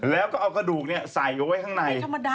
แล้วก็เอากระดูกใส่เอาไว้ข้างใน